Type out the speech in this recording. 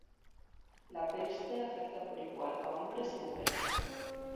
La peste afecta por igual a hombres y mujeres.